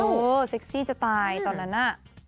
เออเซ็กซี่จะตายตอนนั้นน่ะ